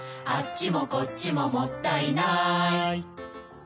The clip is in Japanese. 「あっちもこっちももったいない」